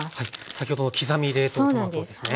先ほどの刻み冷凍トマトですね。